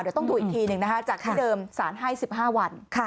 เดี๋ยวต้องถูกอีกทีหนึ่งจากที่เดิมสาร๑๒๑๕วัน